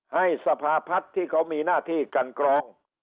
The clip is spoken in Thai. ให้สภาพัฒน์ที่เขามีหน้าที่กันกรอง